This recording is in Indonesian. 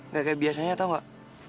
gak kayak biasanya tau gak